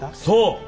そう！